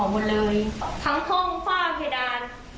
แล้วก็มีกลิ่นและเขาก็เปิดเข้าไปดูก็จะเห็นว่าในห้องโดนเผาหมดเลย